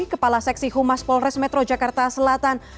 kepala seksi humas polres metro jakarta selatan